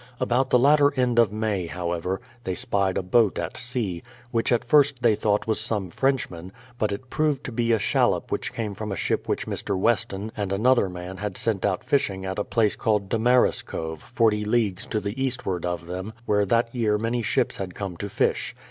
About the latter end of May, however, they spied a boat at sea^ which at first they thought was some Frenchman; but it proved to be a shallop which came from a ship which Mr. Weston and another man had sent out fishing at a place called Damariscove, 40 leagues to the eastward of them, where that year many ships had come to fish.